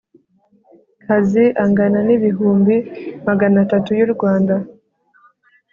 Kazi angana n ibihumbi magana atatu y u rwanda